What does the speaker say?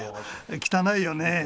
汚いよね。